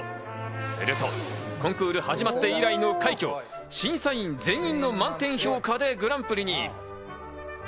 するとコンクール始まって以来の快挙、審査員全員が満点評価でグランプリに。